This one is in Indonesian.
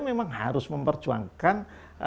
memang harus memperjuangkan